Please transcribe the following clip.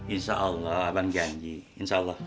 insya allah abang janji